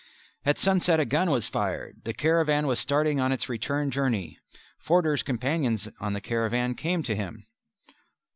At sunset a gun was fired. The caravan was starting on its return journey. Forder's companions on the caravan came to him.